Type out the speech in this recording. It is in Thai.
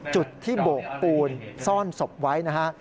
จุดที่โบกปูนซ่อนศพไว้นะฮะ